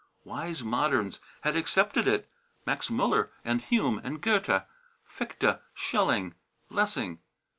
Wise moderns had accepted it, Max Müller and Hume and Goethe, Fichte, Schelling, Lessing.